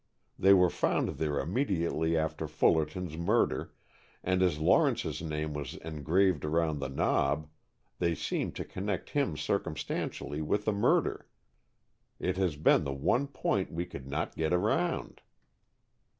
They were found there immediately after Fullerton's murder, and as Lawrence's name was engraved around the knob, they seemed to connect him circumstantially with the murder. It has been the one point we could not get around."